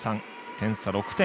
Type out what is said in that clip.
点差６点。